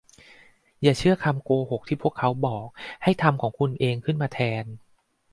อย่าเชื่อคำโกหกที่พวกเขาบอก ให้ทำของคุณเองขึ้นมาแทน